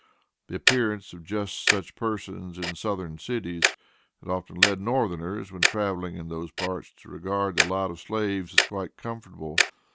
The appearance of just such persons in Southern cities had often led Northerners, when traveling in those parts, to regard the lot of slaves as quite comfortable.